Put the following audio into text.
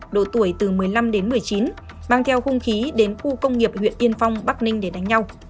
độ tuổi từ một mươi năm đến một mươi chín mang theo hung khí đến khu công nghiệp huyện yên phong bắc ninh để đánh nhau